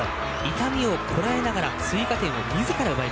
痛みをこらえながら追加点を奪い